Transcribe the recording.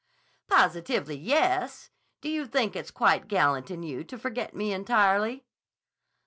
"Positively, yes! Do you think it's quite gallant in you to forget me entirely."